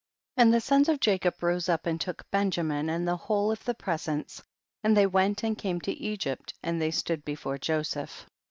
And the sons of Jacob rose up and took Benjamin and the whole of the presents, and they went and came to Egypt and they stood before Joseph.